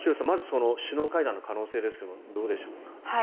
まず首脳会談の可能性ですがどうでしょうか。